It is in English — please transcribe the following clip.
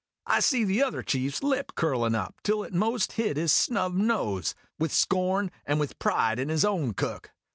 I see the other chief's lip curlin' up till it most hid his snub nose with scorn, and with pride in his own cook.